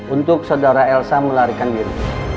untuk saudara elsa melarikan diri